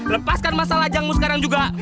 lepaskan masalah jangmu sekarang juga